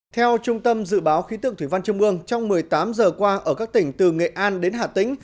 theo trung tâm dự báo khí tượng thủy văn trung ương trong một mươi tám giờ qua ở các tỉnh từ nghệ an đến hà tĩnh